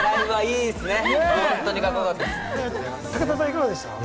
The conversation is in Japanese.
いかがでしたか？